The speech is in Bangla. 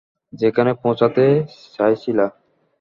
যেখানে পৌছতে চাইছিলা?